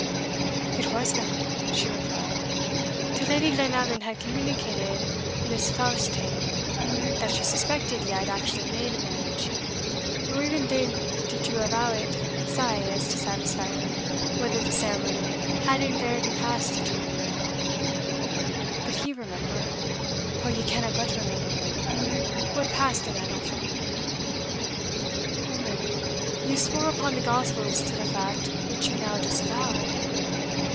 "It wasna," she replied, "till Lady Glenallan had communicated this fause tale, that she suspected ye had actually made a marriage nor even then did you avow it sae as to satisfy her whether the ceremony had in verity passed atween ye or no But ye remember, O ye canna but remember weel, what passed in that awfu' meeting!" "Woman! you swore upon the gospels to the fact which you now disavow."